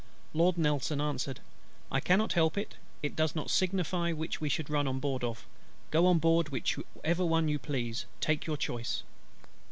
Lord NELSON answered, "I cannot help it: it does not signify which we run on board of; go on board which you please; take your choice."